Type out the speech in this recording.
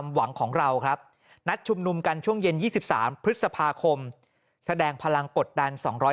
หวังของเราครับนัดชุมนุมกันช่วงเย็น๒๓พฤษภาคมแสดงพลังกดดัน